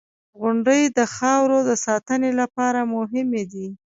• غونډۍ د خاورو د ساتنې لپاره مهمې دي.